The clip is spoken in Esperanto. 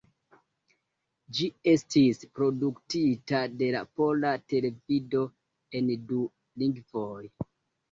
Ĝi estis produktita de la Pola Televido en du lingvoj.